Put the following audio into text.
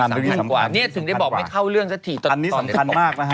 เนี่ยถึงได้บอกไม่เข้าเรื่องสถิตร์